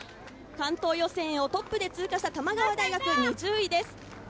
関東予選をトップで通過した玉川大学、２０位です。